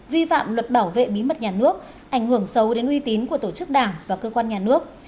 vi phạm luật bảo vệ bí mật nhà nước ảnh hưởng sâu đến uy tín của tổ chức đảng và cơ quan nhà nước